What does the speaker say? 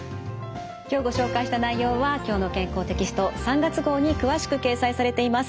今日ご紹介した内容は「きょうの健康」テキスト３月号に詳しく掲載されています。